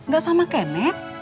gak sama kemet